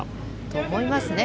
と、思いますね。